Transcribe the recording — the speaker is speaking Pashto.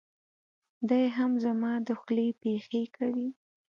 دی هم زما دخولې پېښې کوي.